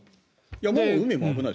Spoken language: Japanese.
山も海も危ない。